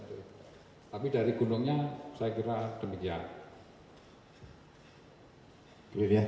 tapi dari gunungnya saya kira demikian